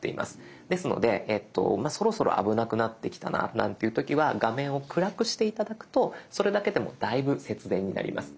ですのでそろそろ危なくなってきたななんていう時は画面を暗くして頂くとそれだけでもだいぶ節電になります。